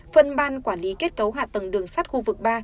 phân ban quản lý kết cấu hạ tầng đường sắt khu vực ba